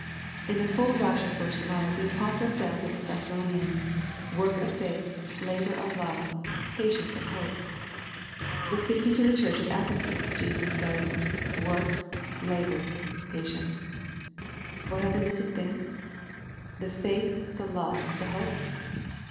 In the full rush of first love the apostle says of the Thessalonians " work of faith .. labour of love ... patience of hope." But speaking to the church at Ephesus Jesus says " work ... labour ... patience." What are the missing things ?" The faith, the love, the hope."